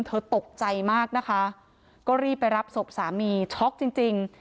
เธอตกใจมากนะคะก็รีบไปรับศพสามีช็อกจริงจริง